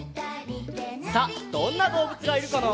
さあどんなどうぶつがいるかな？